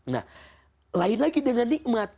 nah lain lagi dengan nikmat